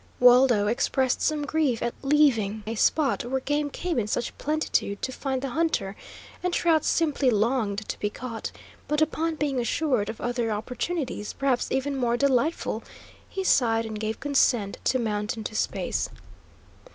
Waldo expressed some grief at leaving a spot where game came in such plentitude to find the hunter, and trout simply longed to be caught; but upon being assured of other opportunities, perhaps even more delightful, he sighed and gave consent to mount into space.